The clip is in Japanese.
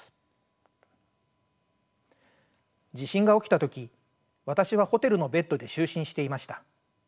地震が起きた時私はホテルのベッドで就寝していました。